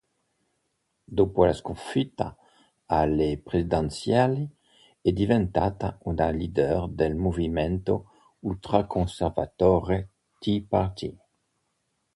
Dopo la sconfitta alle presidenziali, è diventata una leader del movimento ultraconservatore Tea Party.